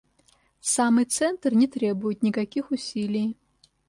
Самый центр не требует никаких усилий.